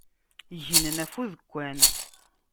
Gnen ɣef udekkan.